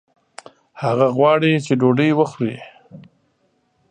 هغه غواړي چې ډوډۍ وخوړي